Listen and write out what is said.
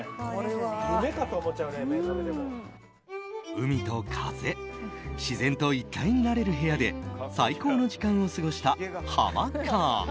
海と風自然と一体になれる部屋で最高の時間を過ごしたハマカーン。